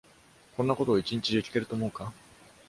こんなことを一日中聞けると思うか？